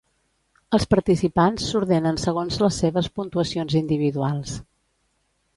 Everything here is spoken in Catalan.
Els participants s'ordenen segons les seves puntuacions individuals.